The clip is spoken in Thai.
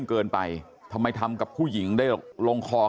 ชาวบ้านในพื้นที่บอกว่าปกติผู้ตายเขาก็อยู่กับสามีแล้วก็ลูกสองคนนะฮะ